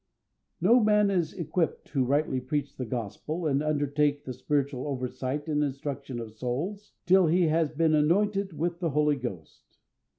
No man is equipped to rightly preach the Gospel, and undertake the spiritual oversight and instruction of souls, till he has been anointed with the Holy Ghost.